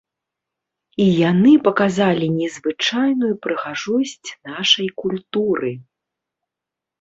І яны паказалі незвычайную прыгажосць нашай культуры.